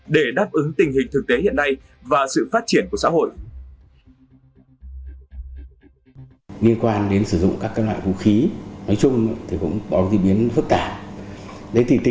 để đáp ứng tình hình thực tế hiện nay và sự phát triển của xã hội